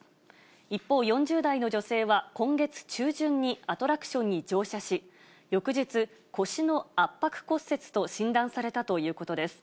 一方、４０代の女性は今月中旬にアトラクションに乗車し、翌日、腰の圧迫骨折と診断されたということです。